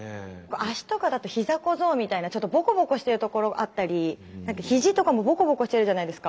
脚とかだと膝小僧みたいなちょっとぼこぼこしてるところあったり肘とかもぼこぼこしてるじゃないですか。